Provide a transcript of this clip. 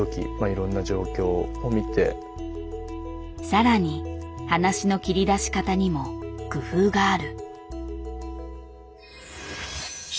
更に話の切り出し方にも工夫がある。